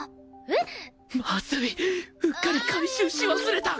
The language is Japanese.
うっかり回収し忘れた！